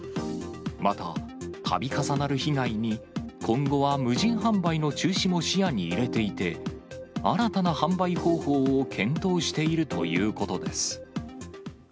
また、たび重なる被害に、今後は無人販売の中止も視野に入れていて、新たな販売方法を検討しているということです。